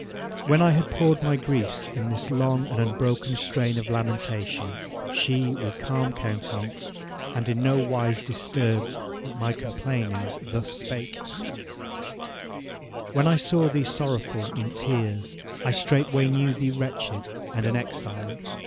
V. When I had poured out my griefs in this long and unbroken strain of lamentation, she, with calm countenance, and in no wise disturbed at my complainings, thus spake: 'When I saw thee sorrowful, in tears, I straightway knew thee wretched and an exile.